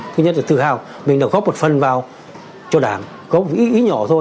thứ nhất là tự hào mình đã góp một phần vào cho đảng góp ý nhỏ thôi